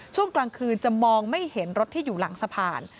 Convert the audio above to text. ช่วงกลางคืนจะมองไม่เห็นรถที่อยู่หลังสะพาน